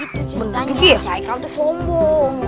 gitu cinta nya si aikal itu sombong